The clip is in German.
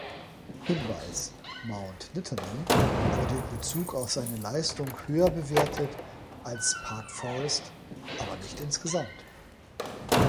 Hinweis: Mount Nittany wurde in Bezug auf seine Leistung höher bewertet als Park Forest, aber nicht insgesamt.